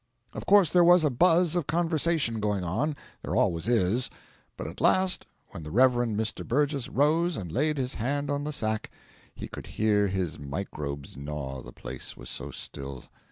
Of course there was a buzz of conversation going on there always is; but at last, when the Rev. Mr. Burgess rose and laid his hand on the sack, he could hear his microbes gnaw, the place was so still.